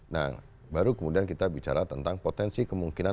nah baru kemudian kita bicara tentang potensi kemungkinan